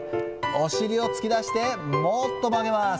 お尻を突き出してもっと曲げます。